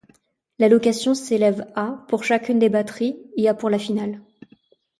L'allocation s'élève à pour chacune des batteries, et à pour la finale.